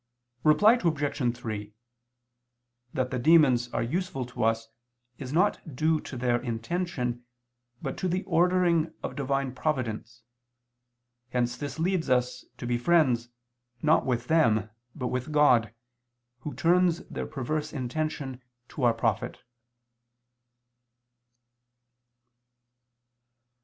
Reply Obj. 3: That the demons are useful to us is due not to their intention but to the ordering of Divine providence; hence this leads us to be friends, not with them, but with God, Who turns their perverse intention to our profit.